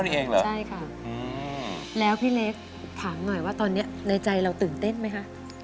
อ่าพี่เล็กฟังหน่อยว่าตอนนี้ในใจเราตื่นเต้นไหมค่ะ